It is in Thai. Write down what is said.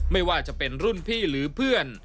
ไม่ว่าจะเป็นรุ่นพี่หรือเพื่อน